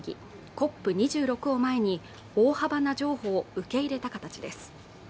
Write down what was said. ＣＯＰ２６を前に大幅な譲歩を受け入れた形です